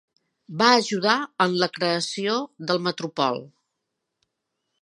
Va ajudar en la creació de "Metropol".